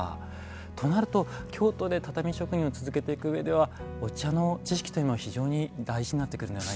となると京都で畳職人を続けていく上ではお茶の知識というものは非常に大事になってくるんじゃないですか？